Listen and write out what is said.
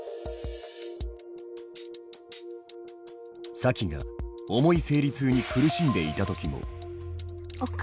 サキが重い生理痛に苦しんでいた時も。